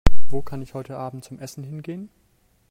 Wo kann ich heute Abend zum Essen hingehen?